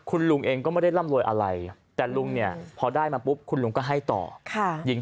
ว่าคุณลุงก็ไม่ได้ร่ำรวยอะไรคือบะเดนแต่ขนาดนี้พอได้คุณพวกเขาก็จะให้กันเอง